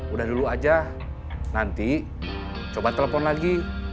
udah dulu aja nanti coba telepon lagi